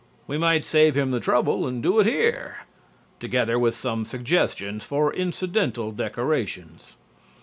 We might save him the trouble and do it here, together with some suggestions for incidental decorations.